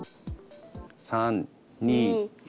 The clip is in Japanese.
３・２・１。